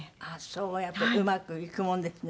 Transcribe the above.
そうやってうまくいくもんですね。